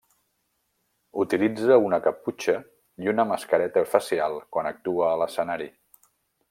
Utilitza una caputxa i una mascareta facial quan actua a l'escenari.